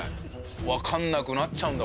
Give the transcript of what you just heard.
わかんなくなっちゃうんだ。